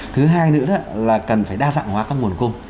thứ hai nữa là cần phải đa dạng hóa các nguồn cung